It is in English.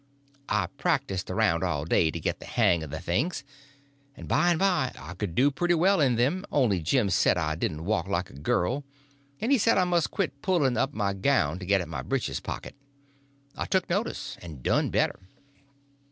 I practiced around all day to get the hang of the things, and by and by I could do pretty well in them, only Jim said I didn't walk like a girl; and he said I must quit pulling up my gown to get at my britches pocket. I took notice, and done better.